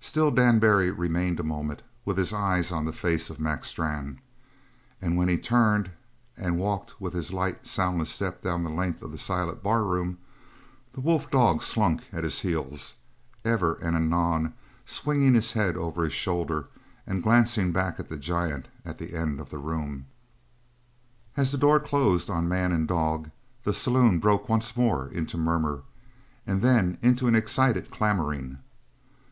Still Dan Barry remained a moment with his eyes on the face of Mac Strann. And when he turned and walked with his light, soundless step down the length of the silent barroom, the wolf dog slunk at his heels, ever and anon swinging his head over his shoulder and glancing back at the giant at the end of the room. As the door closed on man and dog, the saloon broke once more into murmur, and then into an excited clamoring.